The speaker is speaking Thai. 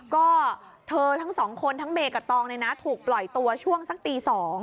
ก็เธอทั้ง๒คนทั้งเมกตองถูกปล่อยตัวช่วงซักตี๒